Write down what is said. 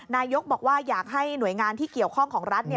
นายกบอกว่าอยากให้หน่วยงานที่เกี่ยวข้องของรัฐ